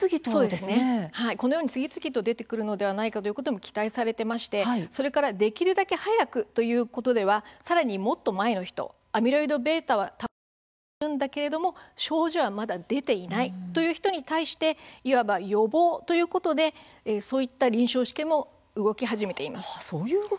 このように次々と出てくるのではないかと期待されていましてできるだけ早くということではもっと前のアミロイドβがたまり始めているが症状はまだ出ていないという人に対していわば予防ということでそういった臨床試験も動き始めています。